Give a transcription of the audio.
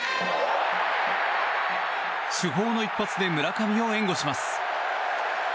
主砲の一発で村上を援護します。